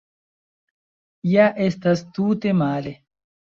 Ja estas tute male.